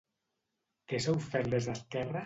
Què s'ha ofert des d'Esquerra?